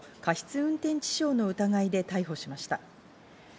運転致傷の疑いで逮捕しました。